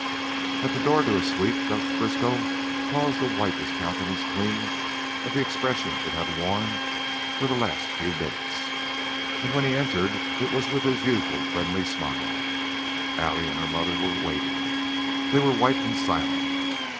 At the door to his suite Gus Briskow paused to wipe his countenance clean of the expression it had worn for the last few minutes, and when he entered it was with his usual friendly smile. Allie and her mother were waiting; they were white and silent.